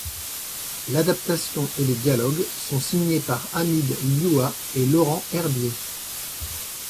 L'adaptation et les dialogues sont signés par Hamid Hlioua et Laurent Herbiet.